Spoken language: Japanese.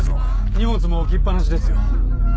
荷物も置きっ放しですよ。